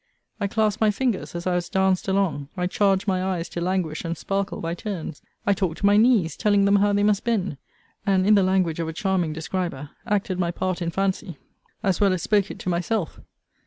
I clasped my fingers, as I was danced along: I charged my eyes to languish and sparkle by turns: I talked to my knees, telling them how they must bend; and, in the language of a charming describer, acted my part in fancy, as well as spoke it to myself.